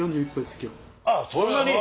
あっそんなに？